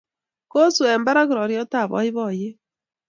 Kosu eng barak roriot ab boiboiyet